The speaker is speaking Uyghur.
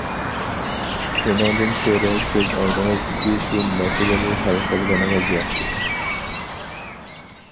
ئۇنىڭدىن كۆرە كۆز ئالدىڭىزدىكى شۇ مەسىلىنى ھەل قىلغىنىڭىز ياخشى.